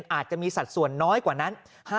อาจจะมีสัดส่วนน้อยกว่านั้น